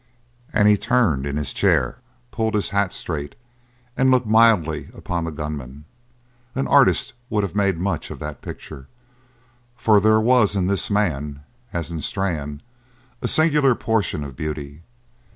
And he turned in his chair, pulled his hat straight, and looked mildly upon the gunman. An artist would have made much of that picture, for there was in this man, as in Strann, a singular portion of beauty.